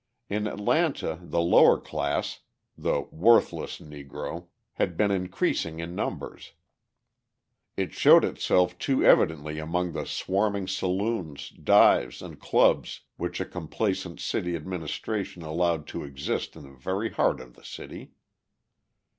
In Atlanta the lower class the "worthless Negro" had been increasing in numbers: it showed itself too evidently among the swarming saloons, dives, and "clubs" which a complaisant city administration allowed to exist in the very heart of the city.